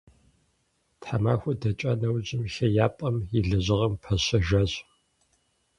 Тхьэмахуэ дэкӏа нэужь хеяпӀэм и лэжьыгъэм пащэжащ.